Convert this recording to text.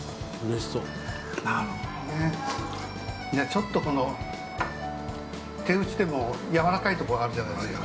ちょっとこの手打ちでもやわらかいところがあるじゃないですか。